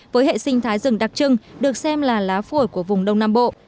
với hệ sinh thái rừng đặc trưng được xem là lá phổi của vùng đông nam bộ